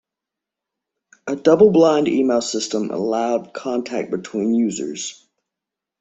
A double-blind email system allowed contact between users.